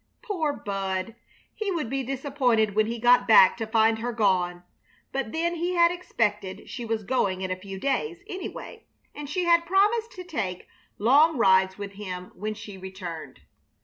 Poor Bud! He would be disappointed when he got back to find her gone, but then he had expected she was going in a few days, anyway, and she had promised to take long rides with him when she returned.